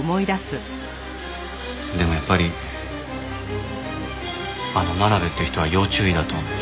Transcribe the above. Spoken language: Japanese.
でもやっぱりあの真鍋って人は要注意だと思う。